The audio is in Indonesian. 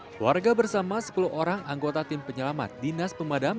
keluarga bersama sepuluh orang anggota tim penyelamat dinas pemadam